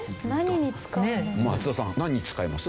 松田さん何に使います？